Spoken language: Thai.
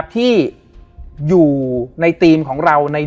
เพื่อที่จะให้แก้วเนี่ยหลอกลวงเค